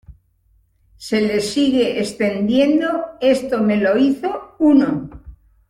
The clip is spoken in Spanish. se le sigue extendiendo. esto me lo hizo uno